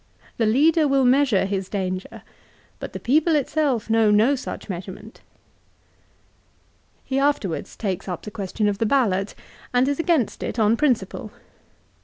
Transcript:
The leader will measure his danger ; but the people itself know no such measurement." l He afterwards takes up the question of the ballot, and is against it on principle.